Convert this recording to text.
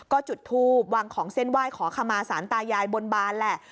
ก็จุดทูบวางของเส้นไหว้ขอขมาสารตายายบนบานแหละ